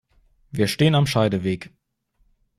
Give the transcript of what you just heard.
Wir stehen am Scheideweg.